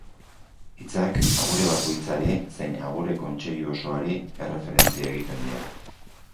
Hitzak, agure bakoitzari zein Agure Kontseilu osoari erreferentzia egiten dio.